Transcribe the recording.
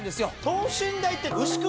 等身大って。